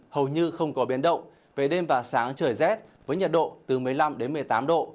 hầu như không có biến động về đêm và sáng trời rét với nhiệt độ từ một mươi năm đến một mươi tám độ